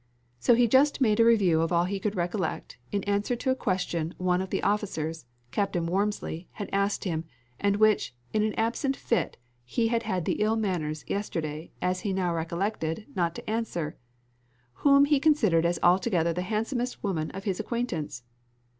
So he just made a review of all he could recollect, in answer to a question one of the officers, Captain Warmsley, had asked him, and which, in an absent fit, he had had the ill manners yesterday, as now he recollected, not to answer Whom he considered as altogether the handsomest woman of his acquaintance?